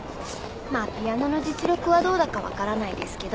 まあピアノの実力はどうだか分からないですけど。